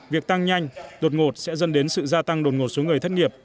việc tăng nhanh đột ngột sẽ dẫn đến sự gia tăng đột ngột số người thất nghiệp